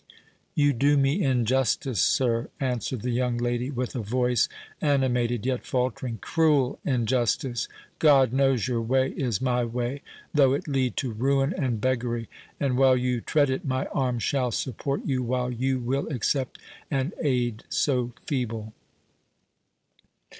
"You do me injustice, sir," answered the young lady, with a voice animated yet faltering, "cruel injustice. God knows, your way is my way, though it lead to ruin and beggary; and while you tread it, my arm shall support you while you will accept an aid so feeble."